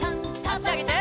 あしあげて。